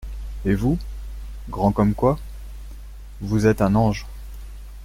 Et vous ? grand comme quoi ?… vous êtes un ange.